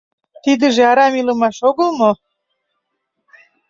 Тидыже арам илымаш огыл мо?